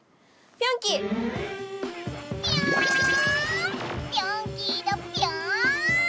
ピョンキーだぴょん！